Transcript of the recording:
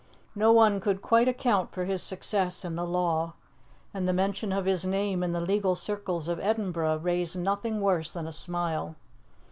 No one could quite account for his success in the law, and the mention of his name in the legal circles of Edinburgh raised nothing worse than a smile.